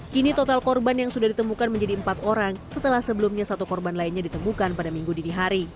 kini total korban yang sudah ditemukan menjadi empat orang setelah sebelumnya satu korban lainnya ditemukan pada minggu dini hari